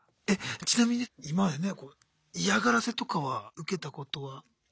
えっちなみに今までね嫌がらせとかは受けたことは？